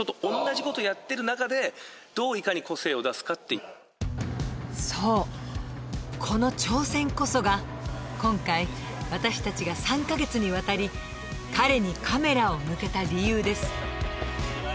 うんただあのねそうこの挑戦こそが今回私たちが３か月に渡り彼にカメラを向けた理由です